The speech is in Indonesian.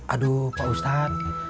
aduh pak ustadz